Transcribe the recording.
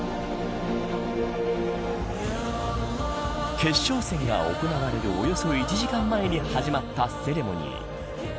決勝戦が行われる、およそ１時間前に始まったセレモニー。